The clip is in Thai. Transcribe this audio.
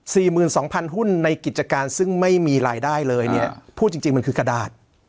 หมื่นสองพันหุ้นในกิจการซึ่งไม่มีรายได้เลยเนี่ยพูดจริงจริงมันคือกระดาษ